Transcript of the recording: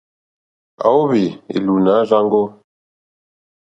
À wóhwì ìlùùnǎ rzáŋɡó.